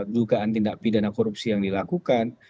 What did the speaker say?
dugaan tindak pidana korupsi yang dilakukan